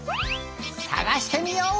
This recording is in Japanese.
さがしてみよう！